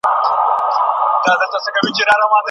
بهرنی سیاست د ملتونو د ګډ ژوند بنسټ دی.